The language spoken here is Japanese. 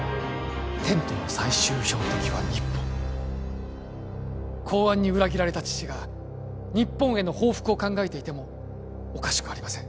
テントの最終標的は日本公安に裏切られた父が日本への報復を考えていてもおかしくありません